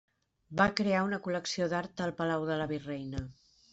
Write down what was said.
Va crear una col·lecció d'art al Palau de la Virreina.